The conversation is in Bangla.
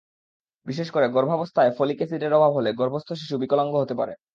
বিশেষ করে গর্ভাবস্থায় ফলিক অ্যাসিডের অভাব হলে গর্ভস্থ শিশু বিকলাঙ্গ হতে পারে।